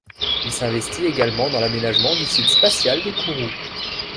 Il s'investit également dans l'aménagement du site spatial de Kourou.